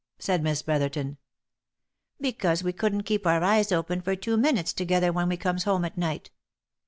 said Miss Brotherton. " Because we couldn't keep our eyes open for two minutes together when we comes home at night.